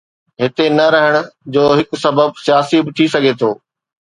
هتي نه رهڻ جو هڪ سبب سياسي به ٿي سگهي ٿو.